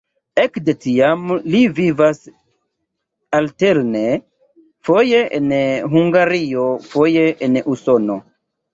Ekde tiam li vivas alterne foje en Hungario, foje en Usono.